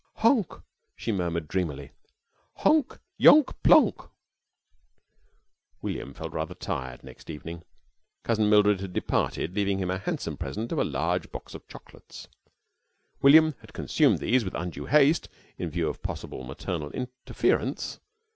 "Honk," she murmured, dreamily. "Honk, Yonk, Ponk." William felt rather tired the next evening. Cousin Mildred had departed leaving him a handsome present of a large box of chocolates. William had consumed these with undue haste in view of possible maternal interference.